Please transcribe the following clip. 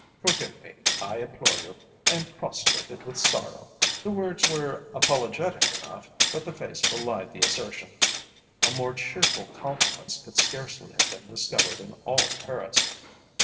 Forgive me, I implore you; I am prostrated with sorrow." The words were apologetic enough, but the face belied the assertion. A more cheerful countenance could scarcely have been discovered in all Paris.